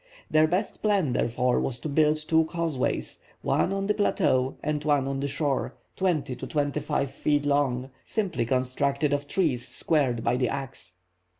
Their best plan therefore was to build two causeways, one on the plateau and one on the shore, twenty to twenty five feet long, simply constructed of trees squared by the axe.